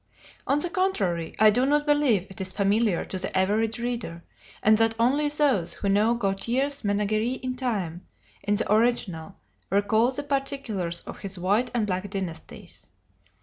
On the contrary, I do not believe it is familiar to the average reader, and that only those who know Gautier's "Ménagerie In time" in the original, recall the particulars of his "White and Black Dynasties."